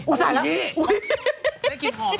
อุ๊ยสาดละมานี่